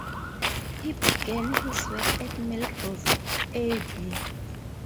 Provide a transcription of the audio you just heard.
He began his work at Melrose Abbey.